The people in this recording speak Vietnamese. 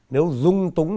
nếu dung túng những nguy cơ